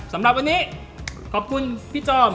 สำหรับวันนี้ขอบคุณพี่จอม